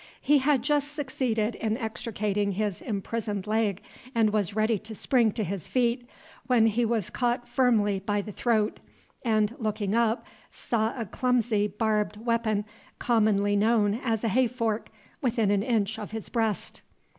He had just succeeded in extricating his imprisoned leg, and was ready to spring to his feet, when he was caught firmly by the throat, and looking up, saw a clumsy barbed weapon, commonly known as a hay fork, within an inch of his breast.